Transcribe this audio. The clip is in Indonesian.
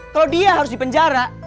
kalo dia harus di penjara